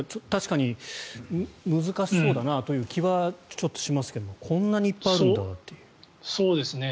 確かに難しそうだなという気はちょっとしますけどこんなにいっぱいあるんだっていう。